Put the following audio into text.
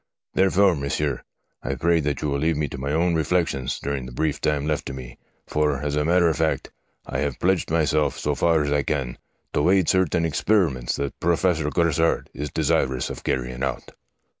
Therefore, monsieur, I pray that you will leave me to my own reflections during the brief time left to me, for, as a matter of fact, I have pledged myself, so far as I can, to aid certain experiments that Professor Grassard is desirous of carrying out.'